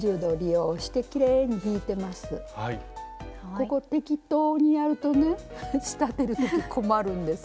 ここ適当にやるとね仕立てる時困るんですよ。